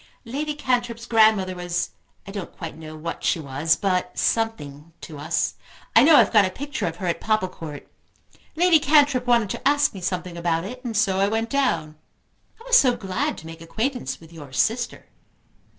"Lady Cantrip's grandmother was, I don't quite know what she was, but something to us. I know I've got a picture of her at Popplecourt. Lady Cantrip wanted to ask me something about it, and so I went down. I was so glad to make acquaintance with your sister."